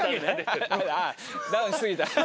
ダウンし過ぎた。